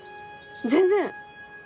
全然！